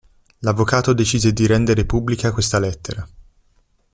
L'avvocato decise di rendere pubblica questa lettera.